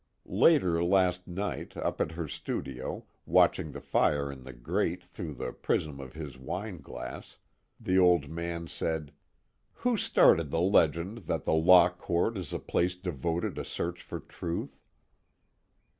Later last night, up at her studio, watching the fire in the grate through the prism of his wineglass, the Old Man said: "Who started the legend that the law court is a place devoted to search for truth?